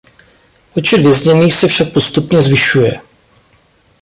Počet vězněných se však postupně zvyšuje.